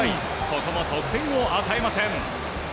ここも得点を与えません。